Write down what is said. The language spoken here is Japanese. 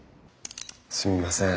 すいません。